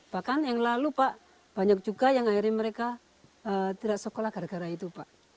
bahkan yang lalu pak banyak juga yang akhirnya mereka tidak sekolah gara gara itu pak